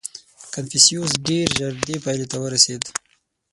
• کنفوسیوس ډېر ژر دې پایلې ته ورسېد.